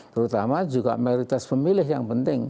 terutama juga mayoritas pemilih yang penting